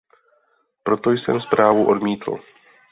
Proto jsem zprávu odmítl.